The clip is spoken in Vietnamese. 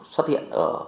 xuất hiện ở